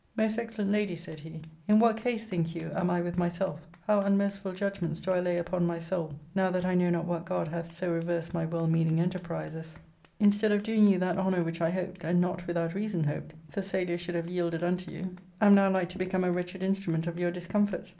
^* Most excellent lady," said he, " in what case, think you, am I with myself, how unmerciful judgments do I lay upon my soul now that I know not what god hath so reversed my well meaning enter prise as, instead of doing you that honour which I hoped, and not without reason hoped, Thessalia should have yielded unto you, am now like to become a wretched instrument of your discomfort